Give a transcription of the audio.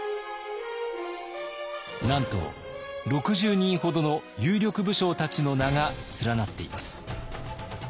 なんと６０人ほどの有力武将たちの名が連なっています。